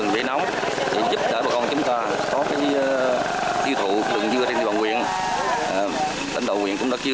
vẫn không có thương lái